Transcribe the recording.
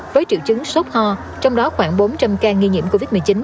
với triệu chứng sốt ho trong đó khoảng bốn trăm linh ca nghi nhiễm covid một mươi chín